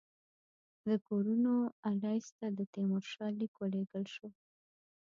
د کورنوالیس ته د تیمورشاه لیک ولېږل شو.